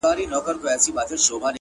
صادق زړه روښانه لاره غوره کوي